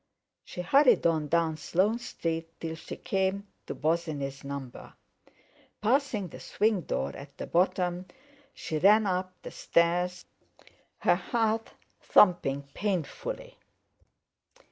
She hurried on down Sloane Street till she came to Bosinney's number. Passing the swing door at the bottom, she ran up the stairs, her heart thumping painfully.